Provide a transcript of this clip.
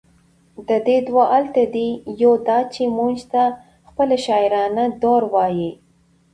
د دې دوه علته دي، يو دا چې، موږ ته خپله شاعرانه دود وايي،